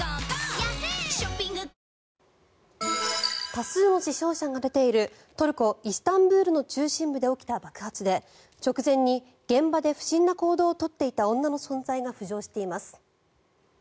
多数の死傷者が出ているトルコ・イスタンブールの中心部で起きた爆発で直前に現場で不審な行動を取っていた女の存在が浮上しています。